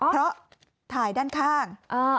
เพราะถ่ายด้านข้าง